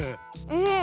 うん。